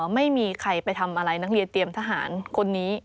ไม่มีใครไปทำอะไรนักเรียนเตรียมทหารคนนี้